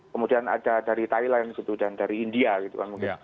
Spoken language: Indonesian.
kemudian ada dari thailand gitu dan dari india gitu